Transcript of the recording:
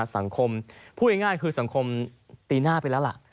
พูดง่ายคือสังคมตีหน้าไปแล้วล่ะ